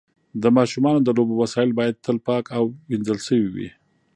د ماشومانو د لوبو وسایل باید تل پاک او وینځل شوي وي.